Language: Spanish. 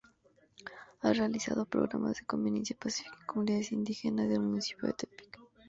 Ha realizado programas de convivencia pacífica en comunidades indígenas del municipio de Tepic.